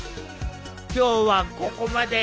今日はここまで！